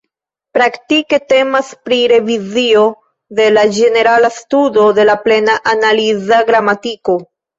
Praktike temas pri revizio de la ĝenerala studo de la Plena Analiza Gramatiko.